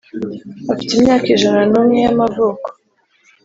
Afite imyaka ijana n umwe y amavuko